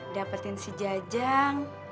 dapetin si jajang